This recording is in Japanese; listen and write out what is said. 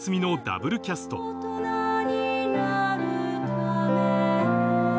大人になるため